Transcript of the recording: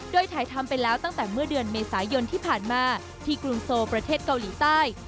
โดยถ่ายทำไปแล้วตั้งแต่เมื่อเดือนเมษายนที่ผ่านมาที่กรุงโซประเทศเกาหลีใต้